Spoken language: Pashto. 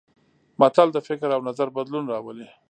متل د فکر او نظر بدلون راولي